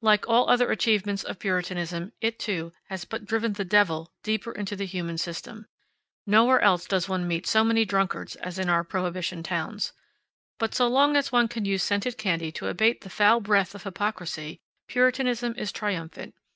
Like all other achievements of Puritanism it, too, has but driven the "devil" deeper into the human system. Nowhere else does one meet so many drunkards as in our Prohibition towns. But so long as one can use scented candy to abate the foul breath of hypocrisy, Puritanism is triumphant.